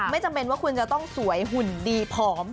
จำเป็นว่าคุณจะต้องสวยหุ่นดีผอม